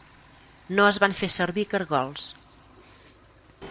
No es van fer servir cargols.